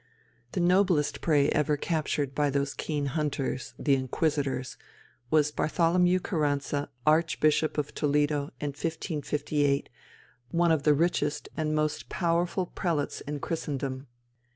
The noblest prey ever captured by those keen hunters, the Inquisitors, was Bartholomew Carranza, Archbishop of Toledo, in 1558, one of the richest and most powerful prelates in Christendom.